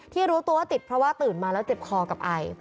รู้ตัวว่าติดเพราะว่าตื่นมาแล้วเจ็บคอกับไอ